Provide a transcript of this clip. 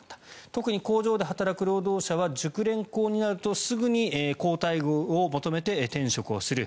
特に工場で働く労働者は熟練工になるとすぐに好待遇を求めて転職をする。